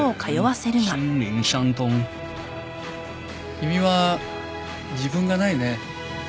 君は自分がないね。